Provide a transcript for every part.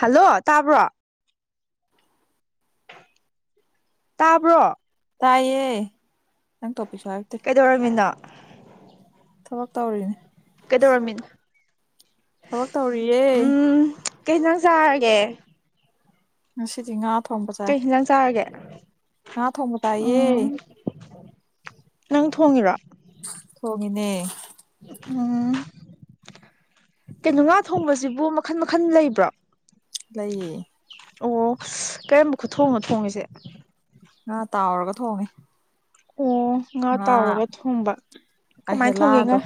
hello ꯇꯥꯕ꯭ꯔꯣ ꯇꯥꯕ꯭ꯔꯣ ꯇꯥꯏꯌꯦ ꯅꯪ ꯇꯣꯄꯤꯛꯁꯨ ꯍꯥꯏꯔꯛꯇꯦ ꯀꯩꯗꯧꯔꯝꯃꯤꯅꯣ ꯊꯕꯛ ꯇꯧꯔꯤꯅꯦ ꯀꯩꯗꯧꯔꯝꯃꯤꯅꯣ ꯊꯕꯛ ꯇꯧꯔꯤꯌꯦ ꯎꯝ ꯀꯩ ꯌꯦꯟꯖꯥꯡ ꯆꯥꯔꯒꯦ ꯉꯁꯤꯗꯤ ꯉꯥ ꯊꯣꯡꯕ ꯆꯥꯏ ꯀꯩ ꯍꯤꯟꯖꯥꯡ ꯆꯥꯔꯒꯦ ꯉꯥ ꯊꯣꯡꯕ ꯆꯥꯏꯌꯦ ꯎꯝ ꯅꯪ ꯊꯣꯡꯉꯤꯔꯣ ꯊꯣꯡꯏꯅꯦ ꯎꯝ ꯀꯩꯅꯣ ꯉꯥ ꯊꯣꯡꯕꯁꯤꯕꯨ ꯃꯈꯟ ꯃꯈꯟ ꯂꯩꯕ꯭ꯔꯣ ꯂꯩꯌꯦ ꯑꯣ ꯀꯔꯝꯕ ꯈꯨꯊꯣꯡꯅꯣ ꯊꯣꯡꯉꯤꯁꯦ ꯉꯥ ꯇꯥꯎꯔꯒ ꯊꯣꯡꯉꯦ ꯑꯣ ꯉꯥ ꯇꯥꯎꯔꯒ ꯊꯣꯡꯕ ꯀꯃꯥꯏꯅ ꯊꯣꯡꯒꯦ ꯉꯥ ꯑꯍꯦꯂꯥꯗꯣ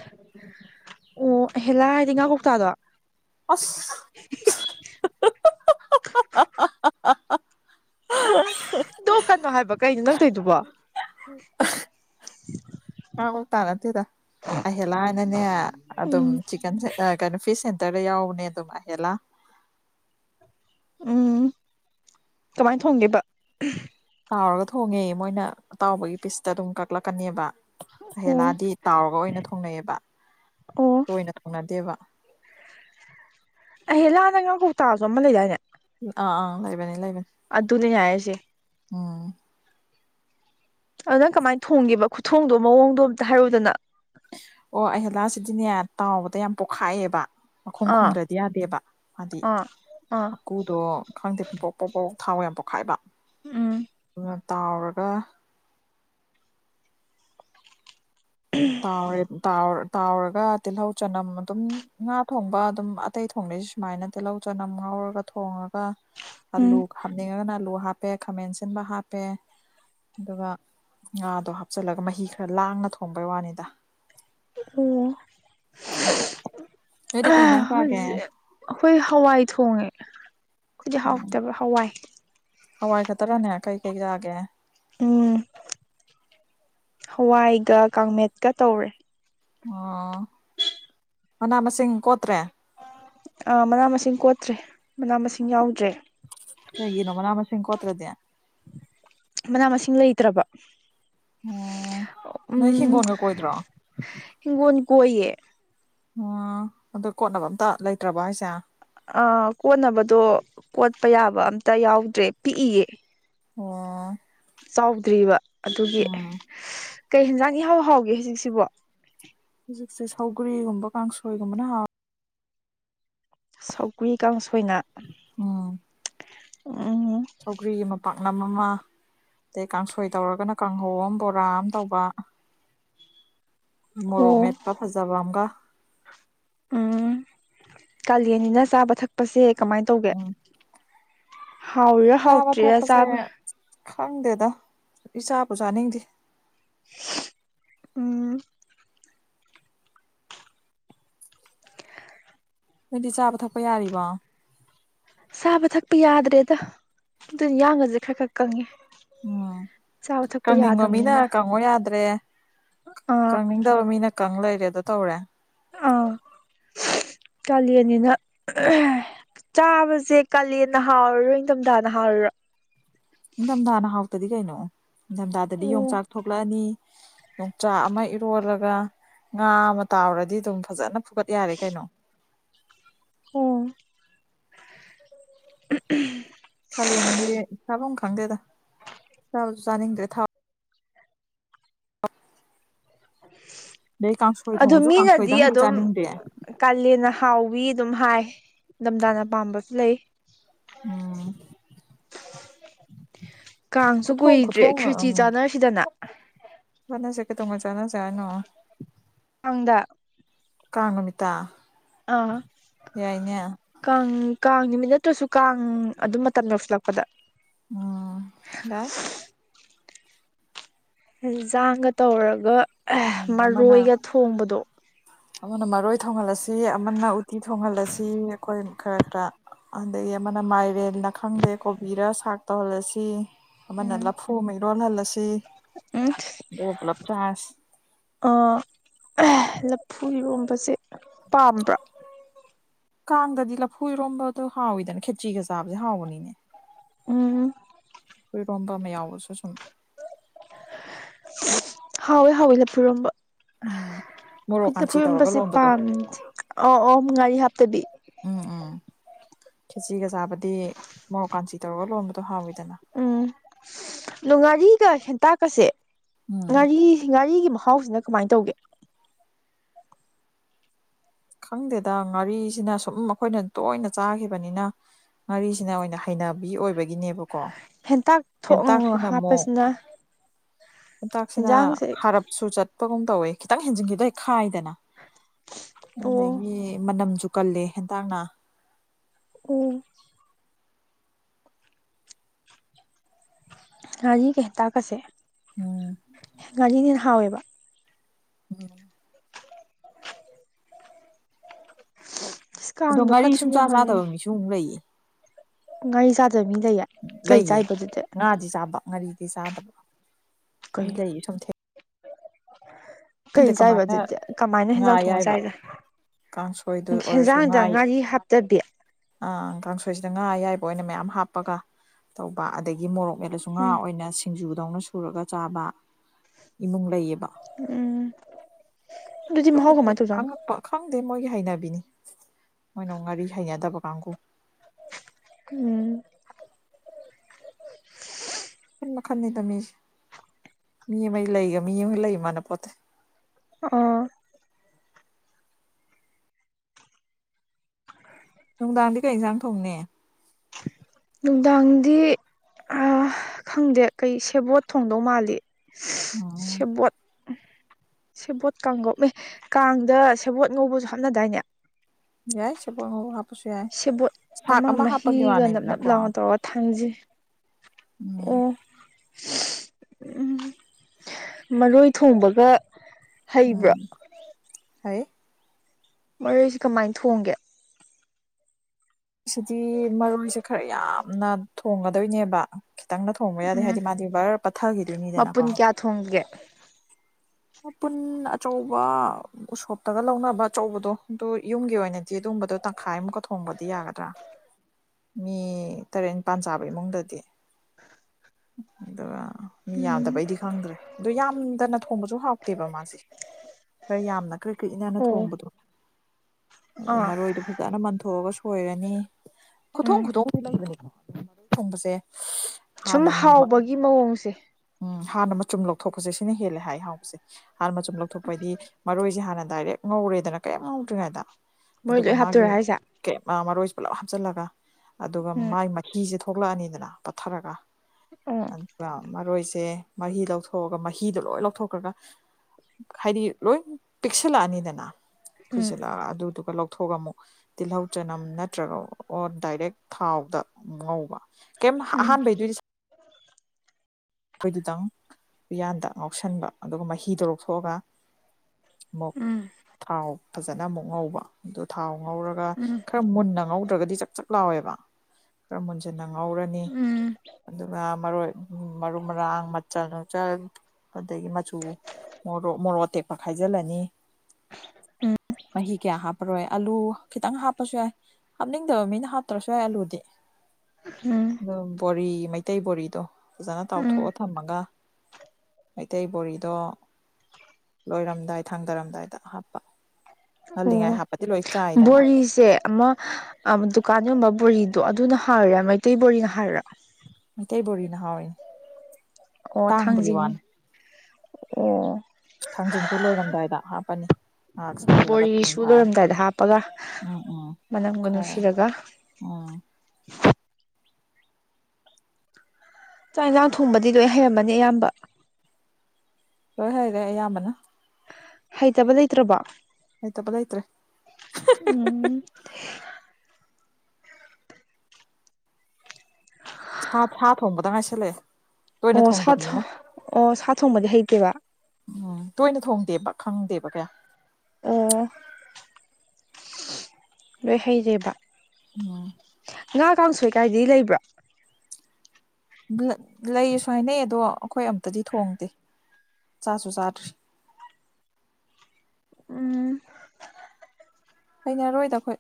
ꯑꯣ ꯑꯍꯦꯂꯥ ꯍꯥꯏꯗꯤ ꯉꯥ ꯀꯧꯇꯥꯗꯣ ꯑꯁ [unintelligible] ꯅꯣꯛꯀꯅꯣ ꯍꯥꯏꯕ ꯀꯩꯅꯣ ꯅꯪ ꯇꯧꯏꯗꯨꯕꯣ ꯉꯥ ꯀꯧꯇꯥ ꯅꯠꯗꯦꯗ ꯑꯩꯍꯦꯂꯥꯅꯅꯦ ꯑꯗꯨꯝ ꯎꯝ ꯆꯤꯛꯀꯟ ꯁꯦꯟꯇꯔ ꯑ ꯀꯩꯅꯣ ꯐꯤꯁ ꯁꯦꯟꯇꯔꯗ ꯌꯥꯎꯕꯅꯦ ꯑꯗꯨꯝ ꯑꯍꯦꯂꯥ ꯎꯝ ꯀꯃꯥꯏ ꯊꯣꯡꯒꯦꯕ ꯇꯥꯎꯔꯒ ꯊꯣꯡꯉꯦ ꯃꯣꯏꯅ ꯑꯇꯥꯎꯕꯒꯤ ꯄꯤꯁꯇ ꯑꯗꯨꯝ ꯀꯛꯂꯛꯀꯅꯦꯕ ꯑꯣ ꯑꯍꯦꯂꯥꯗꯤ ꯇꯥꯎꯔꯒ ꯑꯣꯏꯅ ꯊꯣꯡꯅꯩꯑꯕ ꯑꯣ ꯇꯣꯏꯅ ꯊꯣꯡꯅꯗꯦꯕ ꯑꯩꯍꯦꯂꯥꯅ ꯉꯥ ꯀꯧꯇꯥ ꯑꯃ ꯂꯩꯗꯥꯏꯅꯦ ꯑ ꯑ ꯂꯩ ꯑꯗꯨꯅꯦ ꯌꯥꯌꯦꯁꯦ ꯑꯝ ꯑꯗ ꯅꯪ ꯀꯃꯥꯏꯅ ꯊꯣꯡꯒꯦꯕ ꯈꯨꯊꯣꯡꯗꯣ ꯃꯋꯣꯡꯗꯣ ꯑꯝꯇ ꯍꯥꯏꯔꯛꯎꯗꯅ ꯑꯣ ꯑꯍꯦꯂꯥ ꯁꯤꯗꯤꯅꯦ ꯇꯥꯎꯕꯗ ꯌꯥꯝ ꯄꯣꯛꯈꯥꯏꯑꯦꯕ ꯃꯈꯣꯡ ꯑꯥ ꯈꯨꯝꯗ꯭ꯔꯗꯤ ꯌꯥꯗꯦꯕ ꯃꯥꯗꯤ ꯑꯥ ꯑꯥ ꯃꯀꯨꯗꯣ ꯈꯪꯗꯦ ꯄꯣꯛ ꯄꯣꯛ ꯄꯣꯛ ꯊꯥꯎ ꯌꯥꯝ ꯄꯣꯛꯈꯥꯏꯕ ꯎꯝ [unintelligible] ꯇꯥꯎꯔꯒ ꯇꯥꯎꯔꯦ ꯇꯥꯎ ꯇꯥꯎꯔꯒ ꯇꯤꯜꯍꯧ ꯆꯅꯝ ꯑꯗꯨꯝ ꯉꯥ ꯊꯣꯡꯕ ꯑꯗꯨꯝ ꯑꯇꯩ ꯊꯣꯡꯅꯩ ꯁꯨꯃꯥꯏꯅ ꯇꯤꯜꯍꯧ ꯆꯅꯝ ꯉꯧ ꯉꯧꯔꯒ ꯊꯣꯡꯉꯒ ꯎꯝ ꯑꯥꯂꯨ ꯍꯥꯞꯅꯤꯡꯉꯒꯅ ꯑꯂꯨ ꯍꯥꯞꯄꯦ ꯈꯥꯃꯦꯟ ꯑꯁꯤꯟꯕ ꯍꯥꯞꯄꯦ ꯑꯗꯨꯒ ꯉꯥꯗꯣ ꯍꯥꯞꯆꯤꯜꯂꯒ ꯃꯍꯤ ꯈꯔ ꯂꯥꯡꯅ ꯊꯣꯡꯕꯩ ꯋꯥꯅꯤꯗ ꯑꯣ [unintelligible] ꯅꯣꯏꯗꯤ ꯀꯩ ꯑꯍ ꯏꯟꯖꯥꯡ ꯆꯥꯒꯦ ꯍꯧꯖꯤꯛ ꯑꯩꯈꯣꯏ ꯍꯋꯥꯏ ꯊꯣꯡꯉꯦ ꯈꯣꯏꯗꯤ ꯍꯥꯎꯇꯕ ꯍꯋꯥꯏ ꯍꯋꯥꯏ ꯈꯛꯇꯔꯅꯦ ꯀꯩ ꯀꯩ ꯌꯥꯒꯦ [unintelligible] ꯎꯝ ꯍꯋꯥꯏꯒ ꯀꯥꯡꯃꯦꯠꯀ ꯇꯧꯔꯦ ꯑꯣ ꯃꯅꯥ ꯃꯁꯤꯡ ꯀꯣꯠꯇ꯭ꯔꯦ ꯑꯥ ꯃꯅꯥ ꯃꯁꯤꯡ ꯀꯣꯠꯇ꯭ꯔꯦ ꯃꯅꯥ ꯃꯁꯤꯡ ꯌꯥꯎꯗ꯭ꯔꯦ ꯀꯩꯒꯤꯅꯣ ꯃꯥꯅ ꯃꯁꯤꯡ ꯀꯣꯠꯇ꯭ꯔꯥꯗꯤ ꯃꯅꯥ ꯃꯁꯤꯡ ꯂꯩꯇ꯭ꯔꯥꯕ ꯑꯣ ꯅꯣꯏ ꯎꯝ ꯍꯤꯡꯒꯣꯜꯒ ꯀꯣꯏꯗ꯭ꯔꯣ ꯍꯤꯡꯒꯣꯟ ꯀꯣꯏꯌꯦ ꯑꯣ ꯑꯗꯨ ꯀꯣꯠꯅꯕ ꯑꯃꯝꯇ ꯂꯩꯇ꯭ꯔꯥꯕꯣ ꯍꯥꯏꯁꯦ ꯑ ꯀꯣꯠꯅꯕꯗꯣ ꯀꯣꯠꯄ ꯌꯥꯕ ꯑꯃꯝꯇ ꯌꯥꯎꯗ꯭ꯔꯦ ꯄꯤꯛꯏꯌꯦ ꯑꯣ ꯆꯥꯎꯗ꯭ꯔꯤꯕ ꯑꯗꯨꯒꯤ ꯀꯩ ꯍꯦꯟꯖꯥꯡꯅ ꯏꯍꯥꯎ ꯍꯥꯎꯒꯦ ꯍꯧꯖꯤꯛꯁꯤꯕꯣ ꯍꯧꯖꯤꯛꯁꯦ ꯁꯧꯒ꯭ꯔꯤꯒꯨꯝꯕ ꯀꯥꯡꯁꯣꯏꯒꯨꯝꯕꯅ ꯍꯥꯎꯏ ꯁꯧꯒ꯭ꯔꯤ ꯀꯥꯡꯁꯣꯏꯅ ꯎꯝ ꯁꯧꯒ꯭ꯔꯤꯒꯤ ꯃꯄꯥꯥꯛ ꯒꯝ ꯑꯃ ꯑꯗꯩ ꯀꯥꯡꯁꯣꯏ ꯇꯧꯔꯒꯅ ꯀꯥꯡꯍꯧ ꯑꯝ ꯕꯣꯔꯥ ꯑꯝ ꯇꯧꯕ ꯃꯣꯔꯣꯛ ꯑꯣ ꯃꯦꯠꯄ ꯐꯖꯕ ꯑꯃꯝꯒ ꯎꯝ ꯀꯥꯂꯦꯟꯅꯤꯅ ꯆꯥꯕ ꯊꯛꯄꯁꯦ ꯀꯃꯥꯏ ꯇꯧꯒꯦ ꯎꯝ ꯍꯥꯎꯔꯤꯔꯥ ꯆꯥꯕ ꯍꯥꯎꯇ꯭ꯔꯤꯔꯥ ꯊꯛꯄꯁꯦ ꯆꯥꯕ ꯈꯪꯗꯦꯗ ꯏꯆꯥꯕꯨ ꯆꯥꯅꯤꯡꯗꯦ [unintelligible] ꯎꯝ ꯅꯣꯏꯗꯤ ꯆꯥꯕ ꯊꯛꯄ ꯌꯥꯔꯤꯕꯣ ꯆꯥꯕ ꯊꯛꯄ ꯌꯥꯗ꯭ꯔꯦꯗ ꯑꯗꯨꯅ ꯌꯥꯡꯒꯁꯦ ꯈꯔ ꯈꯔ ꯀꯪꯉꯦ ꯎꯝ ꯆꯥꯕ ꯊꯛꯄ ꯀꯪꯅꯤꯡꯕ ꯃꯤꯅ ꯌꯥꯗꯕꯅꯤꯅ ꯀꯪꯉꯣ ꯌꯥꯗ꯭ꯔꯦ ꯑꯥ ꯀꯪꯅꯤꯡꯗꯕ ꯃꯤꯅ ꯀꯪ ꯂꯩꯔꯦꯗꯣ ꯇꯧꯔꯦ ꯑ ꯀꯥꯂꯦꯟ ꯅꯤꯅ ꯆꯥꯕꯁꯦ ꯀꯥꯂꯦꯟꯅ ꯍꯥꯎꯔꯤꯔꯣ ꯏꯪꯊꯝꯊꯥꯅ ꯍꯥꯎꯔꯤꯔꯣ ꯏꯪꯊꯝꯊꯗꯗꯤ ꯑꯣ ꯌꯣꯡꯆꯥꯛ ꯊꯣꯛꯂꯛꯑꯅꯤ ꯌꯣꯡꯆꯥꯛ ꯑꯃ ꯏꯔꯣꯜꯂꯒ ꯉꯥ ꯑꯃ ꯇꯥꯎꯔꯗꯤ ꯑꯗꯨꯝ ꯐꯖꯅ ꯐꯨꯒꯠ ꯌꯥꯔꯦ ꯀꯩꯅꯣ ꯑꯣ [unintelligible] [inaudible] ꯀꯥꯂꯦꯟꯗꯤ ꯆꯥꯐꯝ ꯈꯪꯗꯦꯗ ꯆꯥꯕꯁꯨ ꯆꯥꯅꯤꯡꯗ꯭ꯔꯦ ꯊꯥꯎ ꯑꯗꯩ ꯀꯥꯡꯁꯣꯏ ꯑꯗꯨ ꯊꯣꯡꯉꯁꯨ ꯃꯤꯅꯗꯤ ꯀꯥꯡꯁꯣꯏꯗꯪꯗꯤ ꯑꯗꯨꯝ ꯆꯥꯅꯤꯡꯗꯦ ꯀꯥꯂꯦꯟꯅ ꯍꯥꯎꯋꯤ ꯑꯗꯨꯝ ꯍꯥꯏ ꯅꯤꯡꯗꯝꯗꯥꯅ ꯄꯥꯝꯕꯁꯨ ꯂꯩ ꯎꯝ ꯀꯥꯡꯁꯨ ꯈꯨꯊꯣꯡ ꯀꯨꯏꯗ꯭ꯔꯦ ꯈꯦꯔꯆꯤ ꯆꯥꯟꯅꯁꯤꯗꯅ ꯆꯅꯁꯦ ꯀꯩꯇꯧꯉꯩ ꯆꯥꯅꯁꯦ ꯍꯥꯏꯅꯣ ꯗ [unintelligible] [inaudible] ꯀꯥꯡ ꯅꯨꯃꯤꯠꯇ ꯑꯥ ꯌꯥꯏꯅꯦ ꯀꯥꯡ ꯀꯥꯡ ꯅꯨꯃꯤꯠ ꯅꯠꯇ꯭ꯔꯁꯨ ꯀꯥꯡ ꯑꯗꯨꯝ ꯃꯇꯝ ꯌꯧꯁꯤꯜꯂꯛꯄꯗ ꯑꯣ ꯌꯥꯏ ꯍꯤꯡꯖꯥꯡꯒ ꯇꯧꯔꯒ ꯎꯝ ꯑꯃꯅ ꯃꯔꯣꯏꯒ ꯊꯣꯡꯕꯗꯣ ꯑꯃꯅ ꯃꯔꯣꯏ ꯊꯣꯡꯍꯜꯂꯁꯤ ꯑꯃꯅ ꯎꯇꯤ ꯊꯣꯡꯍꯜꯂꯁꯤ ꯑꯩꯈꯣꯏ ꯈꯔ ꯈꯔ ꯑꯗꯩ ꯑꯃꯅ ꯃꯥꯏꯔꯦꯜꯅ ꯈꯪꯗꯦ ꯀꯣꯕꯤꯔ ꯁꯥꯛ ꯇꯧꯍꯜꯂꯁꯤ ꯑꯃꯅ ꯎꯝ ꯂꯥꯐꯨ ꯑꯃ ꯏꯔꯣꯜꯍꯜꯂꯁꯤ ꯑꯗꯨꯒ ꯄꯨꯂꯞ ꯆꯥꯁꯤ ꯑ ꯍꯦ ꯂꯐꯨ ꯏꯔꯣꯝꯕꯖꯦ ꯄꯥꯝꯕ꯭ꯔꯣ ꯀꯥꯡꯗꯗꯤ ꯂꯐꯨꯔꯣꯝꯕꯗꯣ ꯍꯥꯎꯋꯤꯗꯅ ꯈꯦꯆꯤꯒ ꯆꯥꯕꯗꯤ ꯍꯥꯎꯕꯅꯤꯅꯦ ꯎꯝ ꯏꯔꯣꯝꯕ ꯑꯃ ꯌꯥꯎꯕꯁꯨ ꯁꯨꯝ ꯍꯥꯎꯋꯦ ꯍꯥꯎꯋꯦ ꯂꯐꯨ ꯏꯔꯣꯝꯕ ꯎꯝ ꯃꯣꯔꯣꯛ ꯈꯨꯠꯇ ꯀꯥꯟꯆꯤ [unintelligible] ꯇꯧꯔꯒ ꯕꯁꯦ ꯂꯣꯟꯕꯗꯣ ꯄꯥꯝ [unintelligible] ꯑꯣ ꯑꯣ ꯉꯥꯔꯤ ꯍꯥꯞꯇꯕꯤ ꯈꯦꯆꯤꯒ ꯆꯥꯕꯗꯤ ꯃꯣꯔꯣꯛ ꯀꯥꯟꯆꯤ ꯇꯧꯔꯒ ꯂꯣꯟꯕꯗꯣ ꯍꯥꯎꯏꯗꯅ ꯎꯝ ꯑꯗꯣ ꯉꯥꯔꯤꯒ ꯍꯦꯟꯇꯥꯛꯀꯁꯦ ꯎꯝ ꯉꯥꯔꯤ ꯉꯥꯔꯤꯒꯤ ꯃ ꯍꯥꯎꯁꯤꯅ ꯀꯃꯥꯏ ꯇꯧꯒꯦ ꯈꯪꯗꯦꯗ ꯉꯥꯔꯤꯁꯤꯅ ꯁꯨꯝ ꯑꯈꯣꯏꯅ ꯇꯣꯏꯅ ꯆꯥꯈꯤꯕꯅꯤꯅ ꯉꯥꯔꯤꯁꯤꯅ ꯑꯣꯏꯅ ꯍꯩꯅꯕꯤ ꯑꯣꯏꯕꯒꯤꯅꯦꯕ ꯀꯣ ꯍꯦꯟꯇꯥꯛ ꯊꯣꯛ ꯍꯦꯟꯇꯥꯛꯁꯤꯅ ꯑꯃꯨꯛ ꯍꯥꯞꯄꯁꯤꯅ ꯍꯦꯟꯇꯥꯛꯁꯤꯅ ꯍꯦꯟꯖꯥꯡꯁꯦ ꯈꯥꯔꯞꯁꯨ ꯆꯠꯄꯒꯨꯝ ꯇꯧꯋꯦ ꯈꯤꯇꯪ ꯍꯦꯟꯖꯤꯟꯈꯤꯕꯗ ꯍꯦꯛ ꯈꯥꯏꯗꯅ ꯑꯣ ꯑꯗꯒꯤ ꯃꯅꯝꯁꯨ ꯀꯜꯂꯦ ꯍꯦꯟꯇꯥꯛꯅ ꯑꯣ ꯉꯥꯔꯤꯒ ꯍꯦꯟ ꯇꯥꯛꯀꯁꯦ ꯎꯝ ꯉꯥꯔꯤꯅ ꯍꯦꯟꯅ ꯍꯥꯎꯋꯦꯕ ꯎꯝ ꯑꯁ ꯑꯗꯣ ꯀꯥꯡꯗꯣ ꯈꯔ ꯉꯥꯔꯤ ꯊꯨꯅ ꯁꯨꯡꯆꯥ ꯆꯥꯗꯕ ꯌꯧꯍꯟꯅꯤꯡꯉꯤ ꯃꯤꯁꯨ ꯑꯃꯨꯛ ꯂꯩꯌꯦ ꯉꯥꯔꯤ ꯆꯥꯗꯕ ꯃꯤ ꯂꯩꯌꯦ ꯀꯩ ꯂꯩꯌꯦ ꯆꯥꯏꯕꯗꯨꯗꯤ ꯉꯥꯗꯤ ꯆꯥꯕ ꯉꯥꯔꯤꯗꯤ ꯆꯥꯗꯕ ꯃꯤ ꯀꯩ ꯂꯩ ꯁꯨꯝ ꯊꯦꯡꯅ ꯀꯩ ꯆꯥꯏꯕ ꯀꯃꯥꯏꯅ ꯑꯗꯨꯗꯤ ꯀꯃꯥꯏꯅ ꯉꯥ ꯍꯦꯟꯖꯥꯡ ꯊꯣꯡꯉ ꯑꯌꯥꯏꯕ ꯆꯥꯏꯖꯥ ꯀꯥꯡꯁꯣꯏꯗ ꯍꯦꯟꯖꯥꯡꯗ ꯉꯥꯔꯤ ꯍꯥꯞꯇꯕꯤ ꯑꯥ ꯀꯥꯡꯁꯣꯏꯁꯤꯗ ꯉꯥ ꯑꯌꯥꯏꯕ ꯑꯣꯏꯅ ꯃꯌꯥꯝ ꯍꯥꯞꯄꯒ ꯇꯧꯕ ꯑꯗꯒꯤ ꯃꯣꯔꯣꯛ ꯃꯦꯠꯂꯁꯨ ꯉꯥ ꯎꯝ ꯑꯣꯏꯅ ꯁꯤꯡꯖꯨꯗꯧꯅ ꯁꯨꯔꯒ ꯆꯥꯕ ꯏꯃꯨꯡ ꯂꯩꯌꯦꯕ ꯎꯝ ꯑꯗꯨꯗꯤ ꯃꯍꯥꯎ ꯀꯃꯥꯏꯅ [unintelligible] ꯇꯧꯖꯥꯠꯅꯣ ꯑꯉꯛꯄ ꯈꯪꯗꯦ ꯃꯣꯏꯒꯤ ꯍꯩꯅꯕꯤꯅꯤ ꯃꯣꯏꯅ ꯉꯥꯔꯤ ꯍꯩꯅꯗꯕ ꯀꯥꯡꯕꯨ ꯎꯝ ꯃꯈꯟ ꯃꯈꯟꯅꯤꯗ ꯃꯤꯁ ꯃꯤ ꯑꯃꯒꯤ ꯂꯩꯒ ꯃꯤ ꯑꯃ ꯂꯩ ꯃꯥꯅ ꯄꯣꯠꯇꯦ ꯑꯥ ꯅꯨꯡꯗꯥꯡꯗꯤ ꯀꯩ ꯢꯟꯖꯥꯡ ꯊꯣꯡꯅꯤ ꯅꯨꯡꯗꯥꯡꯗꯤ ꯑ ꯈꯪꯗꯦ ꯀꯩ ꯁꯦꯕꯣꯠ ꯊꯣꯡꯗꯧ ꯃꯥꯜꯂꯤ ꯎꯝ ꯁꯦꯕꯣꯠ ꯁꯦꯕꯣꯠ ꯀꯥꯡ ꯉꯧ ꯑꯦ ꯀꯥꯡꯗ ꯁꯦꯕꯣꯠ ꯉꯧꯕꯁꯨ ꯍꯥꯞꯅꯗꯥꯏꯅꯦ ꯌꯥꯏ ꯁꯦꯕꯣꯠ ꯉꯧꯕ ꯍꯥꯞꯄꯁꯨ ꯌꯥꯏ ꯁꯦꯕꯣꯠ ꯁꯥꯛ ꯑꯃ ꯍꯥꯞꯄꯒꯤ ꯃꯍꯤꯒ ꯅꯞ ꯅꯞ ꯋꯥꯅꯤꯗꯅꯀꯣ ꯂꯥꯎꯅ ꯇꯧꯔꯒ ꯊꯥꯡꯖꯤꯡ ꯎꯝ ꯑꯣ [unintelligible] ꯎꯝ ꯃꯔꯣꯏ ꯊꯣꯡꯕꯒ ꯍꯩꯕ꯭ꯔꯣ ꯍꯩ ꯃꯔꯣꯏꯁꯤ ꯀꯃꯥꯏ ꯊꯣꯡꯒꯦ ꯁꯤꯗꯤ ꯃꯔꯣꯏꯁꯦ ꯈꯔ ꯌꯥꯝꯅ ꯊꯣꯡꯒꯗꯣꯏꯅꯦꯕ ꯈꯤꯇꯪꯅ ꯊꯣꯡꯕ ꯌꯥꯗꯦ ꯍꯥꯏꯗꯤ ꯎꯝ ꯃꯥꯗꯤ ꯚꯔ ꯄꯠꯊꯈꯤꯗꯣꯏꯅꯤꯗꯅꯀꯣ ꯃꯄꯨꯟ ꯀꯌꯥ ꯊꯣꯡꯒꯦ ꯃꯄꯨꯨꯟ ꯑꯆꯧꯕ ꯎꯁꯣꯞꯇꯒ ꯂꯧꯅꯕ ꯑꯆꯧꯕꯗꯣ ꯑꯗꯨ ꯌꯨꯝꯒꯤ ꯑꯣꯏꯅꯗꯤ ꯑꯗꯨꯝ ꯕꯗꯣ ꯇꯪꯈꯥꯏ ꯑꯃꯨꯛꯀ ꯊꯣꯡꯕꯗꯤ ꯌꯥꯒꯗ꯭ꯔꯥ ꯃꯤ ꯇꯔꯦꯠ ꯅꯤꯄꯥꯥꯟ ꯆꯥꯕ ꯏꯃꯨꯡꯗꯗꯤ ꯑꯗꯨꯒ ꯃꯤ ꯎꯝ ꯌꯥꯝꯗꯕꯩꯗꯤ ꯈꯪꯗ꯭ꯔꯦ ꯗꯣ ꯌꯥꯝꯗꯅ ꯊꯣꯡꯕꯁꯨ ꯍꯥꯎꯇꯦꯕ ꯃꯥꯁꯦ ꯈꯔ ꯌꯥꯝꯅ ꯀ꯭ꯔꯤꯛ ꯀ꯭ꯔꯤꯛꯟ ꯏꯅꯥꯅ ꯑꯣ ꯊꯣꯡꯕꯗꯣ ꯑꯗꯨ ꯑꯥ ꯃꯔꯣꯏꯗꯨ ꯐꯖꯅ ꯃꯟꯊꯣꯛꯑꯒ ꯁꯣꯏꯔꯅꯤ ꯈꯨꯊꯣꯡ ꯎꯝ ꯈꯨꯊꯣꯡꯗꯤ ꯂꯩꯕꯅꯤꯀꯣ ꯃꯔꯣꯏ ꯊꯣꯡꯕꯁꯦ ꯁꯨꯝ ꯍꯥꯟꯅ ꯍꯥꯎꯕꯒꯤ ꯃꯑꯣꯡꯁꯦ ꯎꯝ ꯍꯥꯟꯅ ꯃꯆꯨꯝ ꯂꯧꯊꯣꯛꯄꯁꯦ ꯁꯤꯅ ꯍꯦꯜꯂꯦ ꯍꯥꯏ ꯍꯥꯎꯕꯁꯦ ꯍꯥꯟꯅ ꯃꯆꯨꯝ ꯂꯧꯊꯣꯛꯄ ꯍꯥꯏꯗꯤ ꯃꯔꯣꯏꯁꯦ ꯍꯥꯟꯅ ꯗꯥꯏꯔꯦꯛ ꯉꯧꯔꯦꯗꯅ ꯀꯌꯤꯝ ꯉꯧꯗ꯭ꯔꯤꯉꯩꯗ ꯃꯣꯏ ꯑꯗꯨꯒ ꯂꯣꯏ ꯃꯥꯒꯤ ꯍꯥꯞꯇꯣꯏꯔꯥ ꯍꯥꯏꯁꯦ ꯀꯤ [unintelligible] ꯃꯔꯣꯏ ꯄꯨꯂꯞ ꯍꯥꯞꯆꯤꯜꯂꯒ ꯑꯗꯨꯒ ꯎꯝ ꯃꯥꯏ ꯃꯍꯤꯁꯦ ꯊꯣꯛꯂꯛꯑꯅꯤꯗꯅ ꯄꯠꯊꯥꯔꯒ ꯑꯣ ꯑꯗꯨꯒ ꯃꯔꯣꯏꯁꯦ ꯃꯍꯤ ꯂꯧꯊꯣꯛꯑꯒ ꯃꯍꯤꯗꯣ ꯂꯣꯏ ꯂꯧꯊꯣꯛꯈ꯭ꯔꯒ ꯍꯥꯏꯗꯤ ꯂꯣꯏ ꯄꯤꯛꯁꯤꯜꯂꯛꯑꯅꯤꯗꯅ ꯎꯝ ꯈꯨꯏꯁꯤꯜꯂ ꯑꯗꯨꯗꯨ ꯂꯧꯊꯣꯛꯑꯒ ꯑꯃꯨꯛ ꯇꯤꯜꯍꯧ ꯆꯅꯝ ꯅꯠꯇ꯭ꯔꯒ ꯑꯣꯔ ꯗꯥꯏꯔꯦꯛ ꯊꯥꯎꯗ ꯉꯧꯕ ꯀꯦꯝ ꯎꯝ ꯑꯍꯥꯟꯕꯩꯗꯨꯗꯤ ꯃꯈꯣꯏꯗꯨꯗꯪ ꯎꯌꯥꯟꯗ ꯉꯥꯎꯁꯟꯕ ꯑꯗꯨꯒ ꯃꯍꯤꯗꯣ ꯂꯧꯊꯣꯛꯑꯒ ꯑꯃꯨꯛ ꯎꯝ ꯊꯥꯎ ꯐꯖꯅ ꯑꯃꯨꯛ ꯉꯧꯕ ꯑꯗꯨ ꯊꯥꯎ ꯉꯧꯔꯒ ꯈꯔ ꯃꯨꯟꯅ ꯉꯧꯗ꯭ꯔꯒꯗꯤ ꯆꯥꯛ ꯆꯥꯛ ꯂꯥꯎꯋꯦꯕ ꯈꯔ ꯃꯨꯟꯁꯤꯟꯅ ꯉꯧꯔꯅꯤ ꯎꯝ ꯑꯗꯨꯅ ꯃꯔꯣꯏ ꯃꯔꯨ ꯃꯔꯥꯡ ꯃꯆꯜ [unintelligible] ꯑꯗꯒꯤ ꯃꯆꯨ ꯃꯣꯔꯣꯛ ꯃꯣꯔꯣꯛ ꯑꯇꯦꯛꯄ ꯈꯥꯏꯖꯤꯜꯂꯅꯤ ꯃꯍꯤ ꯀꯌꯥ ꯍꯥꯞꯄꯔꯣꯏ ꯑꯥꯂꯨ ꯈꯤꯇꯪ ꯍꯥꯞꯄꯁꯨ ꯌꯥꯏ ꯍꯥꯞꯅꯤꯡꯗꯕ ꯃꯤꯅ ꯍꯥꯞꯇ꯭ꯔꯁꯨ ꯌꯥꯏ ꯑꯥꯂꯨꯗꯤ ꯎꯝ ꯎꯝ [unintelligible] ꯕꯣꯔꯤ ꯃꯩꯇꯩ ꯕꯣꯔꯤꯗꯣ ꯐꯖꯅ ꯎꯝ ꯇꯥꯎꯊꯣꯛꯑ ꯊꯝꯃꯒ ꯃꯩꯇꯩ ꯕꯣꯔꯤꯗꯣ ꯂꯣꯏꯔꯝꯗꯥꯏ ꯊꯥꯡꯗꯔꯝꯗꯥꯏꯗ ꯍꯥꯞꯄ ꯉꯜꯂꯤꯉꯥꯏ ꯑꯣ ꯍꯥꯞꯄꯗꯤ ꯂꯣꯏ ꯀꯥꯏꯗꯅ ꯕꯣꯔꯤꯁꯦ ꯑꯃ ꯗꯨꯀꯥꯟ ꯌꯣꯟꯕ ꯕꯣꯔꯤꯗꯣ ꯑꯗꯨꯅ ꯍꯥꯎꯔꯦ ꯃꯩꯇꯩ ꯕꯣꯔꯤꯅ ꯍꯥꯎꯔꯤꯔ ꯃꯩꯇꯩ ꯕꯣꯔꯤꯅ ꯍꯥꯎꯋꯦ ꯑꯣ ꯊꯥꯡꯖꯤꯡ ꯑꯣ ꯊꯥꯡꯖꯤꯡꯁꯨ ꯂꯣꯏꯔꯝꯗꯥꯏꯗ ꯍꯥꯞꯄꯅꯤ ꯉꯥꯛ ꯁꯧꯍꯜꯂꯒ ꯊꯨꯝ ꯕꯣꯔꯤꯁꯨ ꯊꯥꯑ ꯂꯣꯏꯔꯝꯗꯥꯏꯗ ꯍꯥꯞꯄꯒ ꯃꯅꯝꯒ ꯅꯨꯡꯁꯤꯔꯒ ꯎꯝ ꯆꯥꯛ ꯌꯦꯟꯁꯥꯡ ꯊꯣꯡꯕꯗꯤ ꯂꯣꯏ ꯍꯩꯔꯝꯃꯅꯤ ꯑꯌꯥꯝꯕ ꯂꯣꯏ ꯍꯩꯔꯦ ꯑꯌꯥꯝꯕꯅ ꯍꯩꯇꯕ ꯂꯩꯇ꯭ꯔꯕꯣ ꯍꯩꯇꯕ ꯂꯩꯇ꯭ꯔꯦ ꯎꯝ ꯁꯥ ꯁꯥ ꯊꯣꯡꯕꯗ ꯉꯥꯏꯁꯜꯂꯦ ꯑꯣ ꯁꯥ ꯊꯣ ꯑꯣ ꯁꯥꯠ ꯊꯣꯡꯕꯗꯤ ꯍꯩꯇꯦꯕ ꯎꯝ ꯇꯣꯏꯅ ꯊꯣꯡꯗꯦꯕ ꯈꯪꯗꯦꯕ ꯀꯌꯥ ꯑ ꯂꯣꯏ ꯍꯩꯔꯦꯕ ꯑꯝ ꯉꯥ ꯀꯥꯡꯁꯣꯏ ꯀꯥꯏꯗꯤ ꯂꯩꯕ꯭ꯔꯣ ꯂ ꯂꯩꯁꯨ ꯍꯥꯏꯅꯩ ꯑꯗꯣ ꯑꯈꯣꯏ ꯑꯝꯇꯗꯤ ꯊꯣꯡꯗꯦ ꯆꯥꯁꯨ ꯆꯥꯗ꯭ꯔꯤ ꯎꯝ ꯍꯩꯅꯔꯣꯏꯗ ꯑꯈꯣꯏ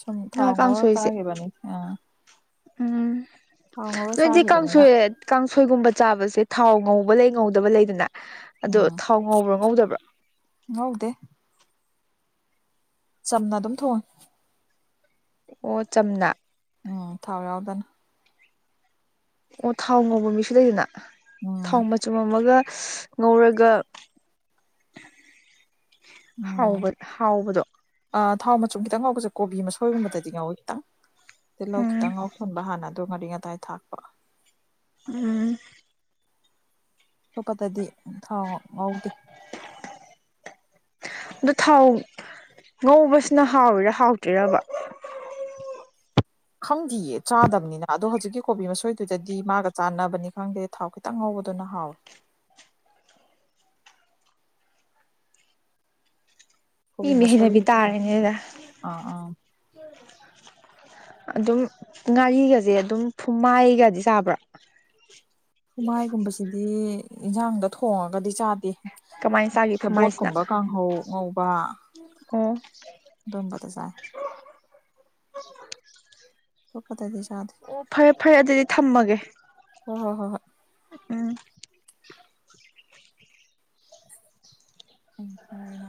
ꯁꯨꯝ ꯊꯥꯎ ꯉꯥ ꯉꯧꯔ ꯀꯥꯡꯁꯣꯏꯁꯦ ꯆꯥꯈꯤꯕꯅꯤ ꯑ ꯎꯝ ꯅꯣꯏꯗꯤ ꯆꯥꯈꯤꯕꯅꯤꯅ ꯀꯥꯡꯁꯣꯏ ꯀꯥꯡꯁꯣꯏꯒꯨꯝꯕ ꯆꯥꯕꯁꯦ ꯊꯥꯎ ꯉꯧꯕ ꯂꯩ ꯉꯧꯗꯕ ꯂꯩꯗꯅ ꯑꯗꯣ ꯎꯝ ꯊꯥꯎ ꯉꯧꯕ꯭ꯔꯥ ꯉꯧꯗꯕ꯭ꯔꯥ ꯉꯧꯗꯦ ꯆꯝꯅ ꯑꯗꯨꯝ ꯊꯣꯡꯉꯦ ꯑꯣ ꯆꯝꯅ ꯎꯝ ꯊꯥꯎ ꯌꯥꯎꯗꯅ ꯑꯣ ꯊꯥꯎ ꯉꯧꯕ ꯃꯤꯁꯨ ꯂꯩꯗꯅ ꯎꯝ ꯊꯥꯎ ꯃꯆꯨꯝ ꯑꯃꯒ [unintelligible] ꯉꯧꯔꯒ ꯎꯝ ꯍꯥꯎꯕ ꯍꯥꯎꯕꯗꯣ ꯑꯥ ꯊꯥꯎ ꯃꯆꯨꯝ ꯈꯤꯇꯪ ꯉꯧꯕꯁꯦ ꯀꯣꯕꯤ ꯃꯁꯣꯏꯒꯨꯝꯕꯗꯗꯤ ꯉꯥꯎꯋꯦ ꯈꯤꯇꯪ ꯇꯤꯜꯍꯧ ꯈꯤꯇꯪ ꯎꯝ ꯉꯧꯁꯟꯕ ꯍꯥꯟꯅ ꯑꯗꯨꯒ ꯉꯥꯔꯤ ꯉꯇꯥꯏ ꯊꯥꯛꯄ ꯎꯝ ꯑꯇꯣꯞꯄꯗꯤ ꯊꯥꯎ ꯉꯧꯗꯦ ꯑꯗꯣ ꯊꯥꯎ ꯉꯧꯕꯁꯤꯅ ꯍꯥꯎꯋꯤꯔ ꯍꯥꯎꯇ꯭ꯔꯤꯔꯕ [unintelligible] [inaudible] ꯈꯪꯗꯤꯌꯦ ꯆꯥꯗꯕꯅꯤꯅ ꯑꯗꯣ ꯍꯧꯖꯤꯛꯀꯤ ꯀꯣꯕꯤ ꯃꯁꯣꯏꯗꯨꯗꯗꯤ ꯃꯥꯒ ꯆꯥꯟꯅꯕꯅꯤ ꯈꯪꯗꯦ ꯊꯥꯎ ꯈꯤꯇꯪ ꯉꯧ ꯕꯗꯨꯅ ꯍꯥꯎꯑꯦ [inaudible] [unintelligible] ꯀꯣꯕꯤ ꯃꯤ ꯃꯤ ꯃꯁꯣꯏ ꯍꯩꯅꯕꯤ ꯇꯥꯔꯦꯅꯦꯗ ꯑꯥ ꯑ ꯑꯗꯨꯝ ꯉꯥꯔꯤꯒꯁꯦ ꯑꯗꯨꯝ ꯐꯨꯃꯥꯏꯒꯗꯤ ꯆꯥꯕ꯭ꯔꯣ ꯐꯨꯃꯥꯏꯒꯨꯝꯕꯁꯤꯗꯤ ꯌꯦꯟꯁꯥꯡꯗ ꯊꯣꯡꯉꯥꯒꯗꯤ ꯆꯥꯗꯦ ꯀꯃꯥꯏꯅ ꯆꯥꯒꯦ ꯐꯨꯃꯥꯏꯁꯤꯅ ꯁꯦꯕꯣꯠꯀꯨꯝꯕ ꯀꯥꯡꯍꯧ ꯉꯧꯕ ꯑꯣ ꯑꯗꯨꯝꯕꯗ ꯆꯥꯏ ꯑꯇꯣꯞꯄꯗꯗꯤ ꯆꯥꯗꯦ [inaudible] ꯑꯣ ꯐꯔꯦ ꯐꯔꯦ ꯑꯗꯨꯗꯤ ꯊꯝꯃꯥꯒꯦ ꯍꯣꯏ ꯍꯣꯏ ꯍꯣꯏ ꯍꯣꯏ ꯎꯝ ꯎꯝ ꯊꯝꯃꯒꯦ ꯉꯥꯏꯈꯣ